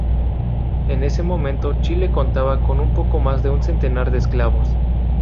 En ese momento, Chile contaba con un poco más de un centenar de esclavos.